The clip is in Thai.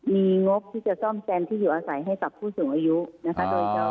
มีงบที่จะซ่อมแซมที่อยู่อาศัยให้กับผู้สูงอายุนะคะ